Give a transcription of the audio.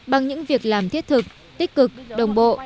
bằng những việc làm thiết thực tích cực đồng bộ